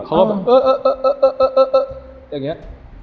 ก็บอกเอ่อแบบเนี่ย